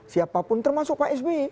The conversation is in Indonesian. siapapun termasuk pak sp